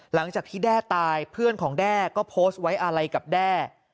หลังจากที่แด้ตายเพื่อนของแด้ก็โพสต์ไว้อะไรกับแด้